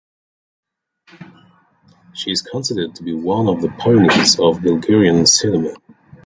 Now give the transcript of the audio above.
She is considered to be one of the pioneers of Bulgarian cinema.